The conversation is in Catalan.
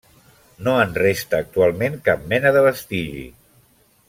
No en resta actualment cap mena de vestigi.